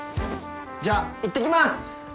じゃあいってきます！